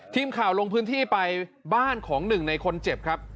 ทีมข่าวลงพื้นที่ไปบ้านของหนึ่งในคนเจ็บครับ